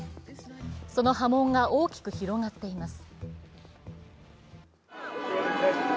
その波紋が大きく広がっています。